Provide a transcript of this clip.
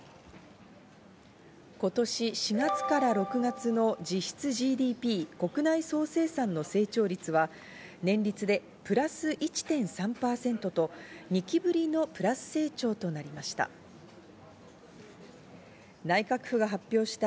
今年４月から６月の実質ＧＤＰ＝国内総生産の成長率は年率でプラス１．３％と２期ぶりのプラス成長となりました。